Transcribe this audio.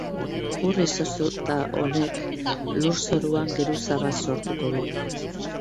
Ur izoztuta honek lurzoruan geruza bat sortuko du.